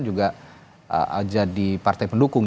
juga jadi partai pendukung